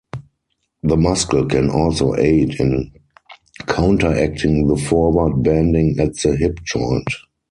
The muscle can also aid in counteracting the forward bending at the hip joint.